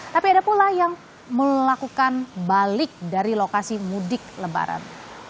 tapi ada pula yang melakukan balik dari lokasi mudik lebaran